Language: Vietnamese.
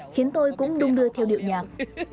khiến tôi cũng đung đưa theo điệu nhạc